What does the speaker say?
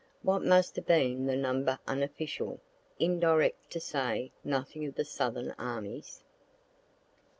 What must have been the number unofficial, indirect to say nothing of the Southern armies?